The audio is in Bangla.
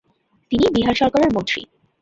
তিনি বিহার সরকারের মন্ত্রী।